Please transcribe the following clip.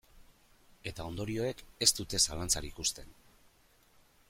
Eta ondorioek ez dute zalantzarik uzten.